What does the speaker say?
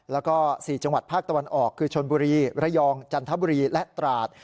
แล้วก็๔จังหวัดภาคตะวันออกคือชนบุรีระยองจันทบุรีและตราด